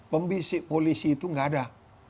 pembisik polisi itu nggak ada